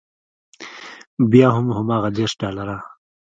بیا هم هماغه دېرش ډالره.